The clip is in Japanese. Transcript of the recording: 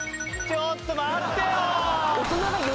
ちょっと待ってよ！